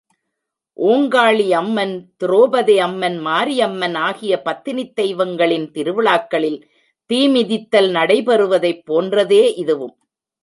ஓங்காளியம்மன், துரோபதையம்மன், மாரியம்மன் ஆகிய பத்தினித் தெய்வங்களின் திருவிழாக்களில் தீமிதித்தல் நடைபெறுவதைப் போன்றதே இதுவும்.